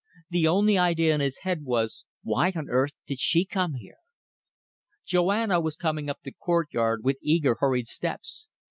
The only idea in his head was: Why on earth did she come here? Joanna was coming up the courtyard with eager, hurried steps.